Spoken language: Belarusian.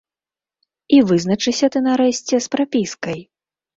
І вызначыся ты нарэшце з прапіскай.